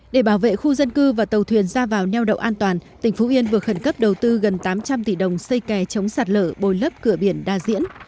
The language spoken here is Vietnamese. để bảo vệ khu dân cư và tàu thuyền ra vào neo đậu an toàn tỉnh phú yên vừa khẩn cấp đầu tư gần tám trăm linh tỷ đồng xây kè chống sạt lở bồi lấp cửa biển đa diễn